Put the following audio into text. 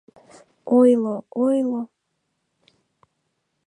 — Ойло-ойло...